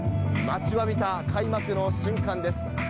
待ちわびた開幕の瞬間です。